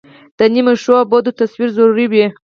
د نیمه ښو او بدو تصویر ضروري وي.